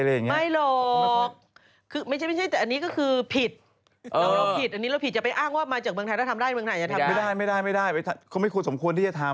แล้วถ้าทำได้เมืองไทยจะทำได้ไม่ได้ไม่ได้ไม่ได้เขาไม่ควรสมควรที่จะทำ